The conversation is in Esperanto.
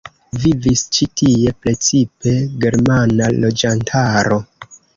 Vivis ĉi tie precipe germana loĝantaro.